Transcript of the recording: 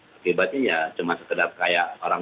akibatnya ya cuma sekedar kayak orang